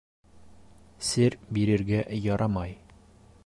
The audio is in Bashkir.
Сер бирергә ярамай.